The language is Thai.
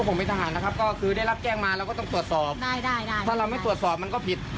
ผมเป็นทหารนะครับก็คือได้รับแจ้งมาเราก็ต้องตรวจสอบได้ได้ถ้าเราไม่ตรวจสอบมันก็ผิด